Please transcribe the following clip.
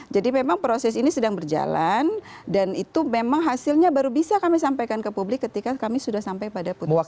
jadi memang proses ini sedang berjalan dan itu memang hasilnya baru bisa kami sampaikan ke publik ketika kami sudah sampai pada putusan